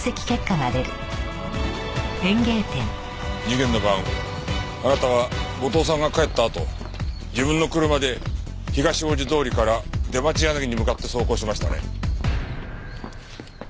事件の晩あなたは後藤さんが帰ったあと自分の車で東大路通から出町柳に向かって走行しましたね？